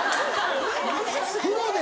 風呂で？